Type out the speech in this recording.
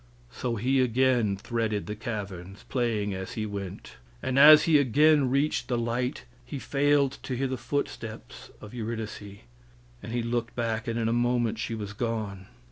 So he again threaded the caverns, playing as he went, and as he again reached the light he failed to hear the footsteps of Eurydice, and he looked back and in a moment she was gone.